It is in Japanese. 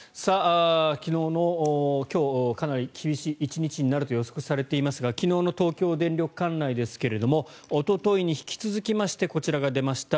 昨日と今日もかなり厳しい１日になると予測されていますが昨日の東京電力管内ですがおとといに引き続きましてこちらが出ました